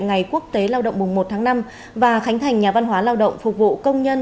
ngày quốc tế lao động mùng một tháng năm và khánh thành nhà văn hóa lao động phục vụ công nhân